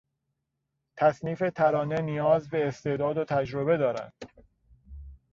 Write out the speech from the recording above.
تصنیف ترانه نیاز به استعداد و تجربه دارد.